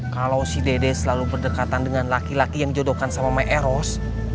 kalau si dede selalu berdekatan dengan laki laki yang jodohkan sama my eros